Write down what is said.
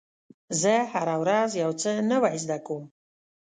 زه هره ورځ یو څه نوی زده کوم.